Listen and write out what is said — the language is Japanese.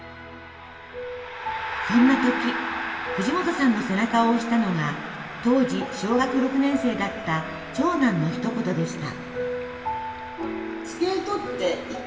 そんな時藤本さんの背中を押したのが当時小学６年生だった長男のひと言でした。